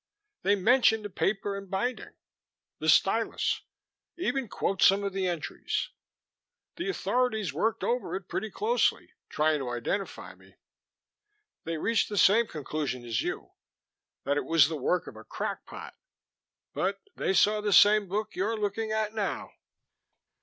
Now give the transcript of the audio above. They mention the paper and binding, the stylus, even quote some of the entries. The authorities worked over it pretty closely, trying to identify me. They reached the same conclusion as you that it was the work of a crackpot; but they saw the same book you're looking at now."